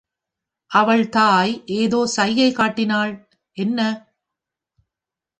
அவள் தாய் ஏதோ சைகை காட்டினாள்... என்ன?